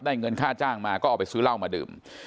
เงินค่าจ้างมาก็เอาไปซื้อเหล้ามาดื่ม